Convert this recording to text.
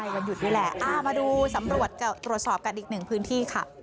วันหยุดนี่แหละมาดูสำรวจตรวจสอบกันอีกหนึ่งพื้นที่ค่ะ